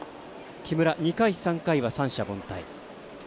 木村、２回、３回は三者凡退。